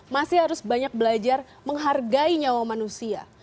masih harus banyak belajar menghargai nyawa manusia